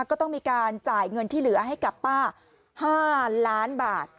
ก็ต้องมีการจ่ายเงินที่เหลือให้กับป้า๕ล้านบาท